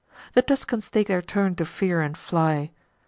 The Tuscans take their turn to fear and fly.